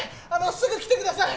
すぐ来てください！